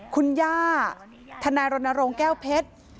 คุณย่าทนายรณรงค์แก้วเพชร